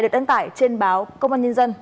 được đăng tải trên báo công an nhân dân